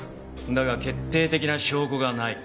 だが決定的な証拠がない。